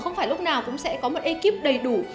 không phải lúc nào cũng sẽ có một ekip đầy đủ